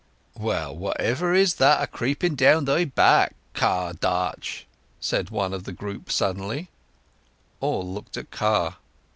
"Well—whatever is that a creeping down thy back, Car Darch?" said one of the group suddenly. All looked at Car.